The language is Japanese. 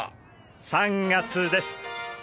３月です。